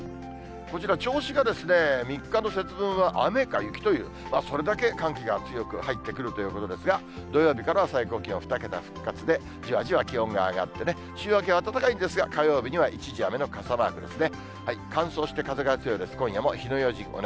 こちら、銚子が３日の節分は雨か雪という、それだけ寒気が強く入ってくるということですが、土曜日からは最高気温２桁復活で、じわじわ気温が上がってね、週明けは暖かいんですが、火曜日には一時雨の傘マークですね。